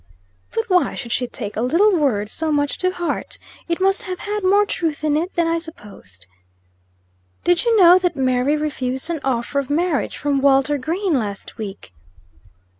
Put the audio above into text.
"But why should she take a little word so much to heart? It must have had more truth in it than I supposed." "Did you know that Mary refused an offer of marriage from Walter Green, last week?"